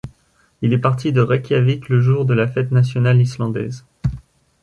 Il est parti de Reykjavik le jour de la Fête nationale islandaise.